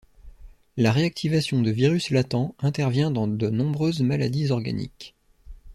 La réactivation de virus latents intervient dans de nombreuses maladies organiques.